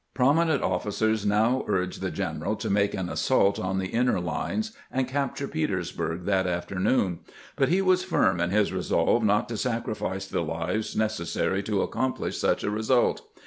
Prominent officers now urged the general to make an assault on the inner lines, and capture Petersburg that afternoon ; but he was firm in his resolve not to sacrifice the lives necessary to accomplish such a result.